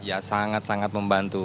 ya sangat sangat membantu